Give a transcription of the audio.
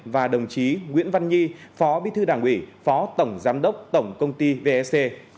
và đồng chí nguyễn văn nhi phó bí thư đảng ủy phó tổng giám đốc tổng công ty vec